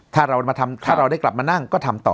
ถ้าเราได้กลับมานั่งก็ทำต่อ